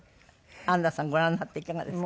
安奈さんご覧になっていかがですか？